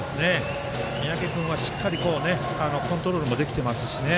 三宅君はしっかりコントロールもできてますしね。